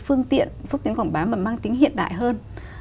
phương tiện xúc tiến quảng bá mà mang tính hiện đại hơn